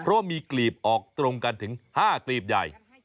เพราะว่ามีกลีบออกตรงกันถึง๕กลีบใหญ่